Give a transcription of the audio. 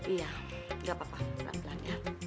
iya nggak apa apa pelan pelan ya